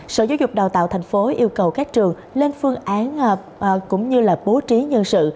sở giáo dục đào tạo tp yêu cầu các trường lên phương án cũng như bố trí nhân sự